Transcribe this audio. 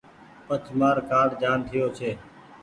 پڇ مآر ڪآرڊ جآن ٺييو ڇي۔